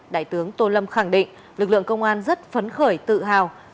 đại tướng tô lâm khẳng định lực lượng công an rất phấn khởi tự hào